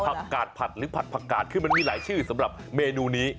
กาดผัดหรือผัดผักกาดคือมันมีหลายชื่อสำหรับเมนูนี้